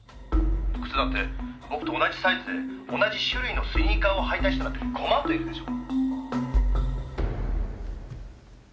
「靴だって僕と同じサイズで同じ種類のスニーカーを履いた人なんてごまんといるでしょ！」